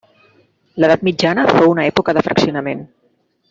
L'edat mitjana fou una època de fraccionament.